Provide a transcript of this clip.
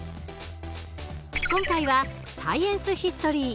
今回はサイエンスヒストリー。